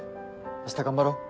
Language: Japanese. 明日頑張ろう。